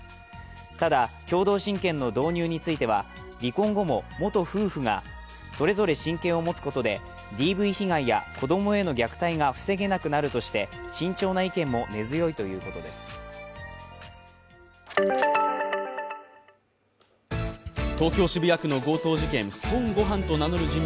ただ共同親権の導入については離婚後も元夫婦がそれぞれ親権を持つことでＤＶ被害や子供への虐待が防げなくなるとして体調崩すときっていきなり来ますよね。